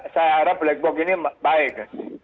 saya harap black box ini baik